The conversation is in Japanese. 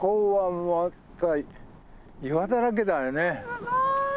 すごい！